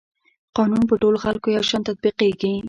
قانون په ټولو خلکو یو شان تطبیقیږي.